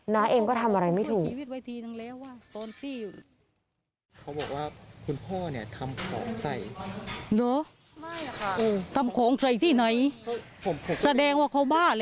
น้าเองก็ทำอะไรไม่ถูก